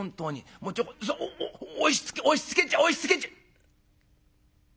もうちょこおっおっ押しつけ押しつけちゃ押しつけちゃ」。